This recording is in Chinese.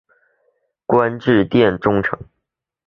官至殿中丞。